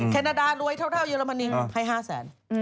แคนาดารวยเท่าเยอรมนีให้๕แสน